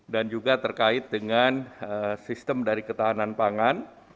dan juga terkait dengan sistem dari ketahanan pangan